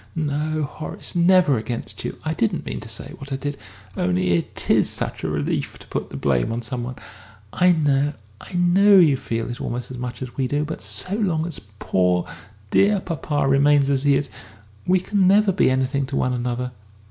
"No, Horace, never against you. I didn't mean to say what I did. Only it is such a relief to put the blame on somebody. I know, I know you feel it almost as much as we do. But so long as poor, dear papa remains as he is, we can never be anything to one another.